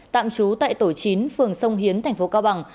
tạm trú tại tổ chín phường sông hiến tp cao bằng